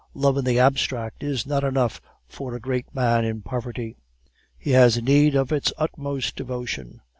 Love in the abstract is not enough for a great man in poverty; he has need of its utmost devotion.